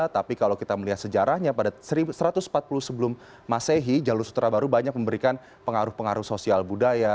tapi kalau kita melihat sejarahnya pada satu ratus empat puluh sebelum masehi jalur sutra baru banyak memberikan pengaruh pengaruh sosial budaya